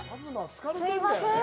すいません。